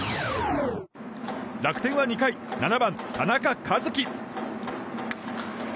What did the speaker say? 楽天は２回７番、田中和基。